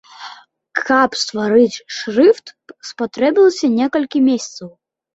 Каб стварыць шрыфт, спатрэбілася некалькі месяцаў.